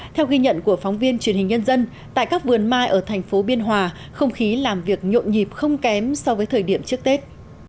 theo ghi nhận của phóng viên truyền hình nhân dân tại các vườn mai ở thành phố biên hòa không khí làm việc nhộn nhịp không kém so với thời điểm trước tết